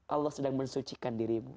allah sedang mensucikan dirimu